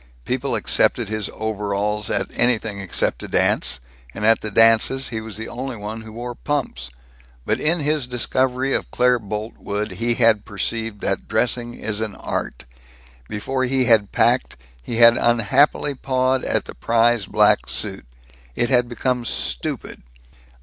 People accepted his overalls at anything except a dance, and at the dances he was the only one who wore pumps. But in his discovery of Claire Boltwood he had perceived that dressing is an art. Before he had packed, he had unhappily pawed at the prized black suit. It had become stupid.